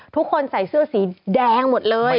ทุกคนใส่เสื้อสีแดงหมดเลย